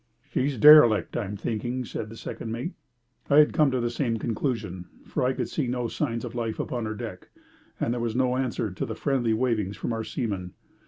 "She's derelict, I'm thinking," said the second mate. I had come to the same conclusion, for I could see no signs of life upon her deck, and there was no answer to the friendly wavings from our seamen.